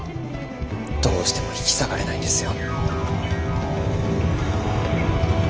どうしても引き下がれないんですよ。